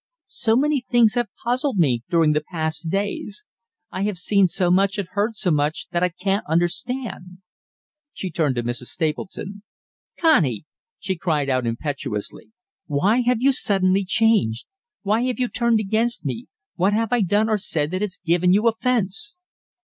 "So many things have puzzled me during the past days I have seen so much and heard so much that I can't understand." She turned to Mrs. Stapleton. "Connie," she cried out impetuously, "why have you suddenly changed? Why have you turned against me? What have I done or said that has given you offence?"